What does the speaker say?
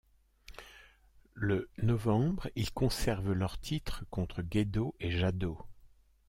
Le novembre, ils conservent leur titres contre Gedo et Jado.